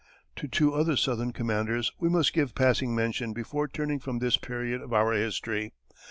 To two other southern commanders we must give passing mention before turning from this period of our history.